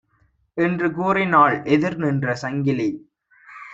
என்று கூறினாள் எதிர் நின்ற சங்கிலி.